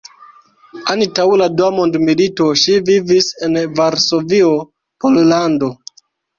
Antaŭ la Dua mondmilito ŝi vivis en Varsovio, Pollando.